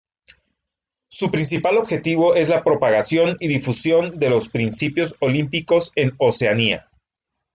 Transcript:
Su principal objetivo es la propagación y difusión de los principios olímpicos en Oceanía.